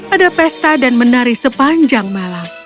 ada pesta dan menari sepanjang malam